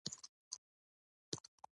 هغې له ځان سره وویل چې حرص کول تاوان لري